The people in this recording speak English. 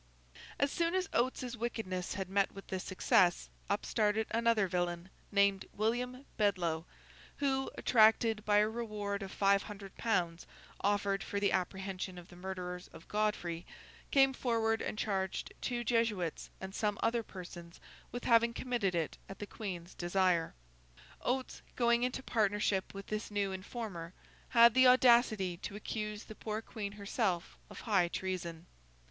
As soon as Oates's wickedness had met with this success, up started another villain, named William Bedloe, who, attracted by a reward of five hundred pounds offered for the apprehension of the murderers of Godfrey, came forward and charged two Jesuits and some other persons with having committed it at the Queen's desire. Oates, going into partnership with this new informer, had the audacity to accuse the poor Queen herself of high treason.